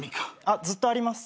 ずっとあります。